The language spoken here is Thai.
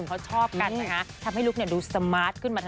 เออนะคะ